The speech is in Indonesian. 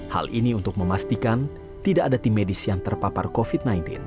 hal ini untuk memastikan tidak ada tim medis yang terpapar covid sembilan belas